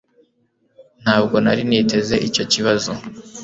ntabwo nari niteze icyo kibazo